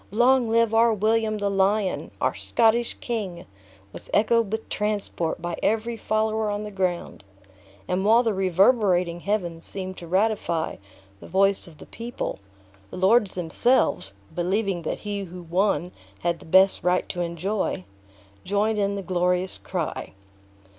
"Long live our William the Lion! our Scottish King!" was echoed with transport by every follower on the ground; and while the reverberating heavens seemed to ratify the voice of the people, the lords themselves (believing that he who won had the best right to enjoy) joined in the glorious cry.